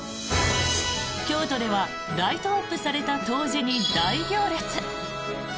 京都ではライトアップされた東寺に大行列。